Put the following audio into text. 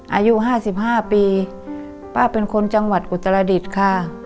อายุห้าสิบห้าปีป้าเป็นคนจังหวัดอุตรดิษฐ์ค่ะ